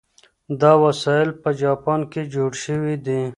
دا وسایل په جاپان کې جوړ شوي دي.